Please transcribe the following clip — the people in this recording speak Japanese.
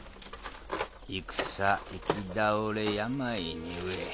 戦行き倒れ病に飢え。